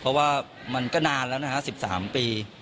เพราะว่ามันก็นานแล้วนะฮะ๑๓ปี